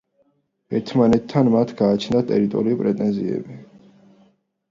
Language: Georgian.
ერთმანეთთან მათ გააჩნდათ ტერიტორიული პრეტენზიები.